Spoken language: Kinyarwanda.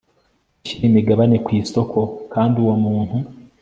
gushyira imigabane ku isoko kandi uwo muntu